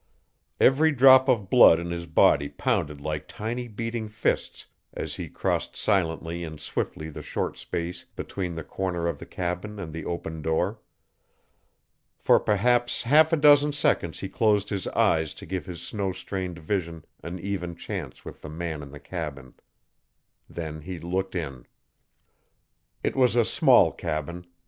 Every drop of blood in his body pounded like tiny beating fists as he crossed silently and swiftly the short space between the corner of the cabin and the open door. For perhaps half a dozen seconds he closed his eyes to give his snow strained vision an even chance with the man in the cabin. Then he looked in. It was a small cabin.